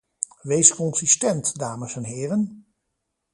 Wees consistent, dames en heren!